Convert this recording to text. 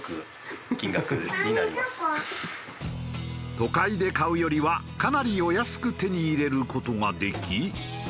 都会で買うよりはかなりお安く手に入れる事ができ。